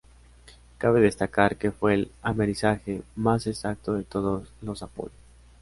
Cabe destacar que fue el amerizaje más exacto de todos los Apolo.